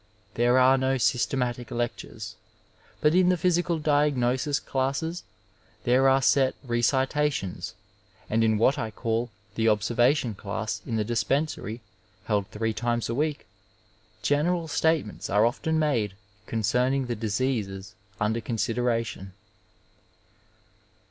There are no systematic lectures, but in the physical diagnosis classes there are set recitations, and in what I call the observation class in the dispensary held three times a week, general statements are often made concerning the diseases under consideration.